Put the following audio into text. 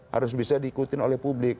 harus bisa diikutin oleh publik